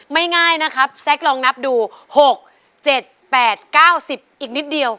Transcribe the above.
ง่ายนะครับแซ็กลองนับดู๖๗๘๙๐อีกนิดเดียว